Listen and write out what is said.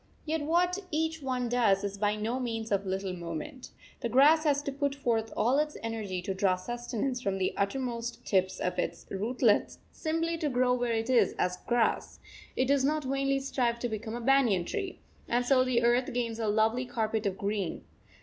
Yet what each one does is by no means of little moment. The grass has to put forth all its energy to draw sustenance from the uttermost tips of its rootlets simply to grow where it is as grass; it does not vainly strive to become a banyan tree; and so the earth gains a lovely carpet of green.